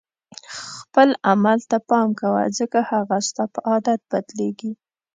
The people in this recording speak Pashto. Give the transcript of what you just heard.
خپل عمل ته پام کوه ځکه هغه ستا په عادت بدلیږي.